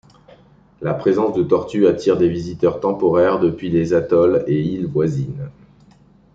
La présence de tortues attire des visiteurs temporaires depuis les atolls et îles voisines.